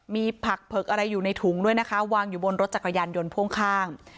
มีผักเผือกอะไรอยู่ในถุงด้วยนะคะวางอยู่บนรถจักรยานยนต์พ่วงข้าง